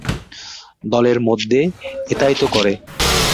দলের মধ্যে এটাই তো করে।